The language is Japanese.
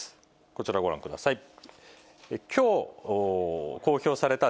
こちらご覧ください。